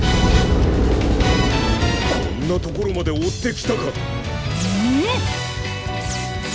こんなところまでおってきたか！